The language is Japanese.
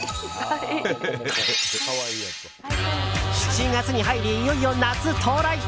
７月に入り、いよいよ夏到来！